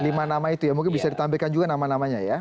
lima nama itu ya mungkin bisa ditampilkan juga nama namanya ya